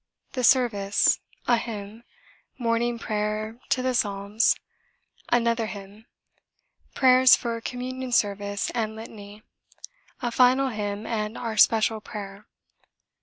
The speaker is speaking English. The Service: a hymn; Morning prayer to the Psalms; another hymn; prayers from Communion Service and Litany; a final hymn and our special prayer.